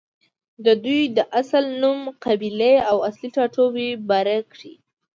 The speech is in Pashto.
ددوي د اصل نوم، قبيلې او اصلي ټاټوبې باره کښې